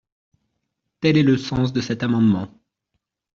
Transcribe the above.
Tel est le sens de cet amendement.